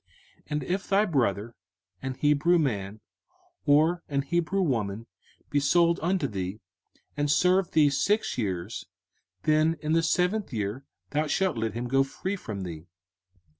05:015:012 And if thy brother, an Hebrew man, or an Hebrew woman, be sold unto thee, and serve thee six years; then in the seventh year thou shalt let him go free from thee.